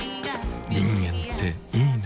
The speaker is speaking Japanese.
人間っていいナ。